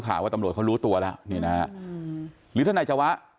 ข่าวว่าตำรวจเขารู้ตัวแล้วนี่นะฮะหรือทนายจวะ